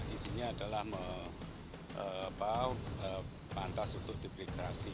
isinya adalah membaikkan antas untuk diberi gerasi